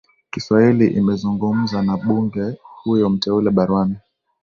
kiswahili imezungumza na bunge huyo mteule barwan